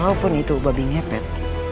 walaupun itu babi ngepet